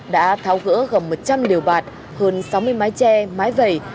đã tháo gỡ gầm một trăm linh liều bạt hơn sáu mươi mái tre mái vẩy